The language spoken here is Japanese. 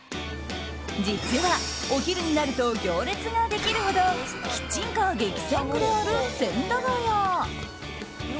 実は、お昼になると行列ができるほどキッチンカー激戦区である千駄ヶ谷。